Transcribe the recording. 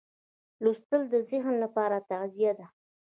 لوستل د ذهن لپاره تغذیه ده.